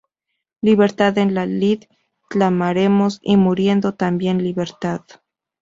Libertad en la lid clamaremos, y muriendo, ¡también libertad!